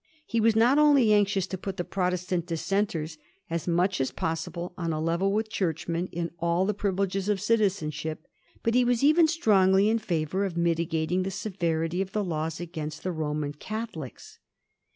He was not only anxious to put the Protestant Dissenters as much as possible on a level with Churchmen in all the privileges of citizenship, but he was even strongly in fSavour of mitigating the severity of the laws against the Roman Catholics.